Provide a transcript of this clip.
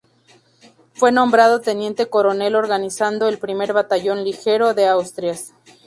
Fue nombrado teniente coronel organizando el primer batallón ligero de Asturias.